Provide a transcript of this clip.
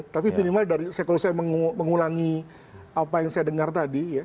tapi minimal kalau saya mengulangi apa yang saya dengar tadi ya